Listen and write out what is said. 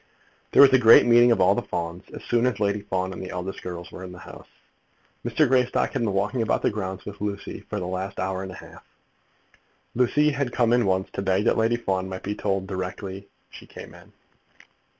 There was a great meeting of all the Fawns, as soon as Lady Fawn and the eldest girls were in the house. Mr. Greystock had been walking about the grounds with Lucy for the last hour and a half. Lucy had come in once to beg that Lady Fawn might be told directly she came in.